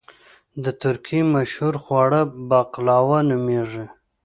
د ترکی مشهور خواږه بغلاوه نوميږي